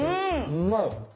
うまい！